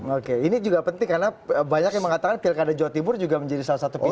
oke ini juga penting karena banyak yang mengatakan pilkada jawa timur juga menjadi salah satu pilihan